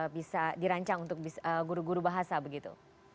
bisa dirancang untuk guru guru bahasa begitu